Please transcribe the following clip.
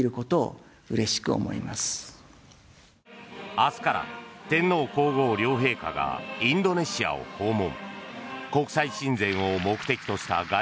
明日から天皇・皇后両陛下がインドネシアを訪問。